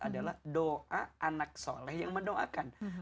adalah doa anak soleh yang mendoakan